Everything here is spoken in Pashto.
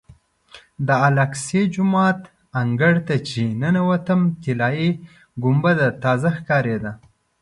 د الاقصی جومات انګړ ته چې ننوتم طلایي ګنبده تازه ښکارېده.